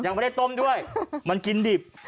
ยังไม่ได้ต้มด้วยมันกินดิบ